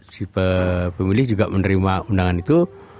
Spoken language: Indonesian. si pemilih juga menerima undangan itu